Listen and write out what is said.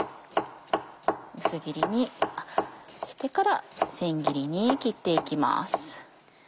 薄切りにしてからせん切りに切っていきます。